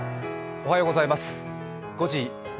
おはようございます。